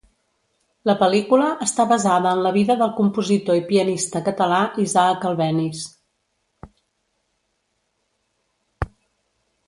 La pel·lícula està basada en la vida del compositor i pianista català Isaac Albéniz.